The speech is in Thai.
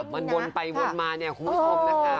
มันวนไปวนมาเนี่ยคุณผู้ชมนะคะ